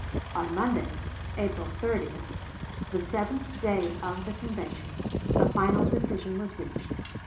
On Monday, April 30, the seventh day of the convention, a final decision was reached.